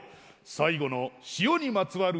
最後の塩にまつわるしょっぱ